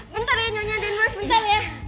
bentar ya nyonya aden mas bentar ya